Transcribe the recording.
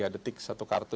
tiga detik satu kartu